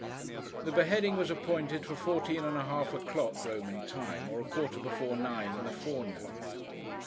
The beheading was appointed for fourteen and a half o'clock, Roman time: or a quarter before nine in the forenoon.